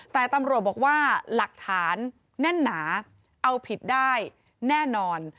แต่ตำรวจบอกว่าหลักฐานแน่นหนาเอาผิดได้แน่นอน